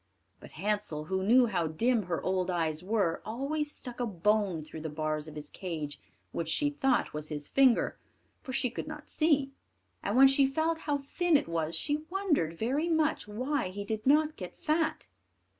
But Hansel, who knew how dim her old eyes were, always stuck a bone through the bars of his cage, which she thought was his finger, for she could not see; and when she felt how thin it was, she wondered very much why he did not get fat.